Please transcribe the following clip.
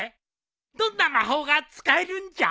どんな魔法が使えるんじゃ？